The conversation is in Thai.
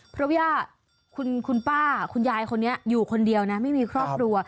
เพราะว่าคุณป้าคุณยายคนนี้อยู่คนเดียวนะไม่มีครอบครัว